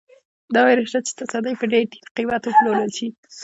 دا وېره شته چې تصدۍ په ډېر ټیټ قیمت وپلورل شي.